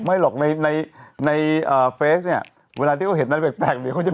ไม่หรอกในเฟซเนี่ยเวลาที่เขาเห็นนั่นแปลกเขาจะมีสาธุแล้ว